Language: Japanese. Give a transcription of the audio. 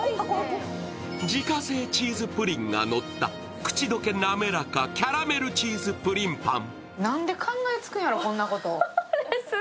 自家製チーズプリンがのった口溶けなめらか、キャラメルチーズプリンぱん！